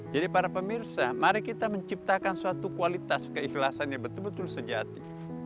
jadi para pemirsa mari kita menciptakan suatu kualitas keikhlasan yang betul betul sejati